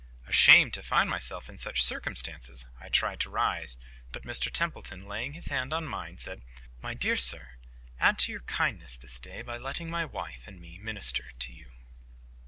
Ashamed to find myself in such circumstances, I tried to rise; but Mr Templeton, laying his hand on mine, said— "My dear sir, add to your kindness this day, by letting my wife and me minister to you."